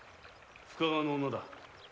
深川の女だ。